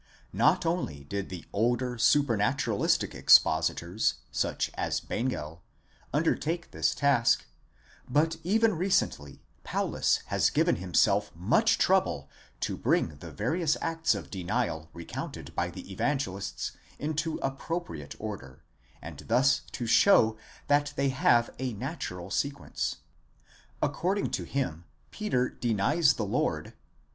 Not only did the older, supranaturalistic expositors, such as Bengel, undertake this task, but even recently, Paulus has given himself much trouble to bring the various acts of denial recounted by the Evangelists into appropriate order, and thus to show that they have a natural sequence. According to him, Peter denies the Lord, 1.